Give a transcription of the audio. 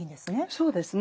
そうですね。